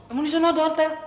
emang di sana ada hotel